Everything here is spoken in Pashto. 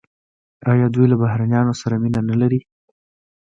آیا دوی له بهرنیانو سره مینه نلري؟